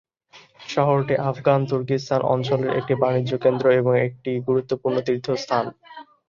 শহরটি আফগান তুর্কিস্তান অঞ্চলের একটি বাণিজ্যকেন্দ্র এবং একটি গুরুত্বপূর্ণ তীর্থস্থান।